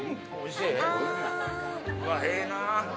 うわっええなあ！